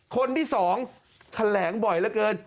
คนที่๒แถลงบ่อยเหลือเกิน